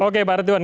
oke pak retuan